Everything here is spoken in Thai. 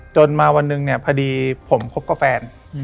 มาวันหนึ่งเนี่ยพอดีผมคบกับแฟน